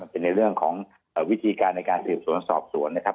มันเป็นเรื่องของวิธีการในการติดสั่วนอสอบส่วนนะครับ